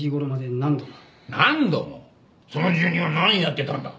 その住人は何やってたんだ？